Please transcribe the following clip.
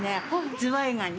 ズワイガニ。